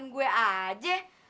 ngelahin gue aja